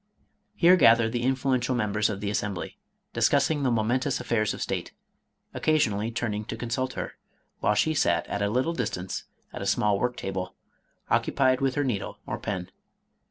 Here gathered the influential members of the Assembly, discussing the momentous affairs of state, occasionally turning to consult her, while she sat at a little distance at a small work table, occupied with her needle, or pen.